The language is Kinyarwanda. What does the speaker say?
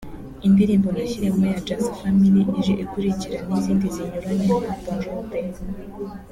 Indirimbo ‘Nashiriyemo ya Just Family ije ikurikira izindi zinyuranye nka; Bonjour bae